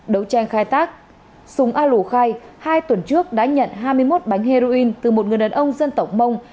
đấu tranh khai tác súng a lũ khai hai tuần trước đã nhận hai mươi một bánh heroin từ một người đàn ông dân tổng mông